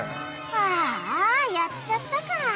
ああやっちゃったか！